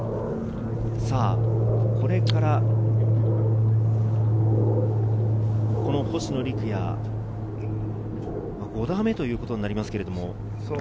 これから星野陸也、５打目ということになりますが。